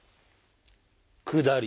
「下り」。